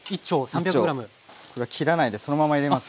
これは切らないでそのまま入れます。